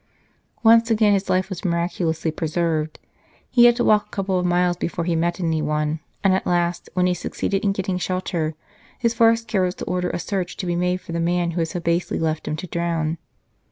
Once again his life was miraculously preserved. He had to walk a couple of miles before he met anyone, and at last, when he succeeded in getting shelter, his first care was to order a search to be made for the man who had so basely left him to drown.